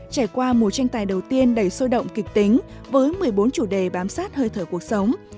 trải qua mùa tranh tài đầu tiên đầy sôi động kịch tính với một mươi bốn chủ đề bám sát hơi thở cuộc sống